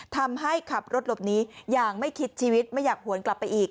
ขับรถหลบหนีอย่างไม่คิดชีวิตไม่อยากหวนกลับไปอีก